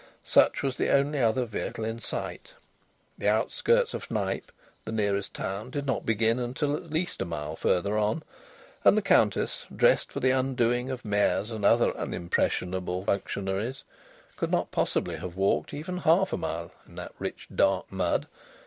Such was the only other vehicle in sight. The outskirts of Knype, the nearest town, did not begin until at least a mile further on; and the Countess, dressed for the undoing of mayors and other unimpressionable functionaries, could not possibly have walked even half a mile in that rich dark mud.